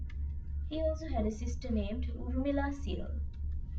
He also had a sister named Urmila Sial.